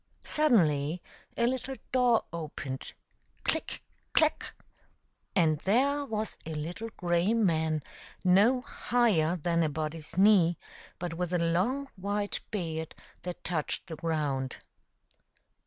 Suddenly a little door opened — click! clack! — and there was, a little grey man no higher than a body's knee, but with a long white beard that touched the ground.